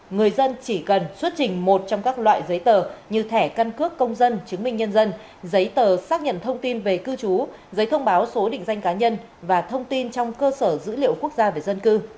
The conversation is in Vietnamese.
người dân chỉ cần xuất trình một trong các loại giấy tờ như thẻ căn cước công dân chứng minh nhân dân giấy tờ xác nhận thông tin về cư trú giấy thông báo số định danh cá nhân và thông tin trong cơ sở dữ liệu quốc gia về dân cư